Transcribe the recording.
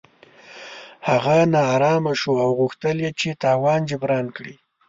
هغه نا ارامه شو او غوښتل یې چې تاوان جبران کړي.